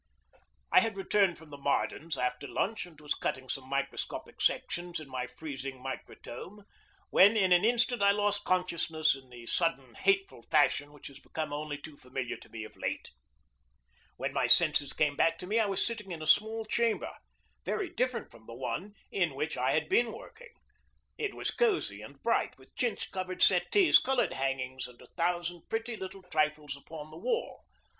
I had returned from the Mardens' after lunch, and was cutting some microscopic sections in my freezing microtome, when in an instant I lost consciousness in the sudden hateful fashion which has become only too familiar to me of late. When my senses came back to me I was sitting in a small chamber, very different from the one in which I had been working. It was cosey and bright, with chintz covered settees, colored hangings, and a thousand pretty little trifles upon the wall.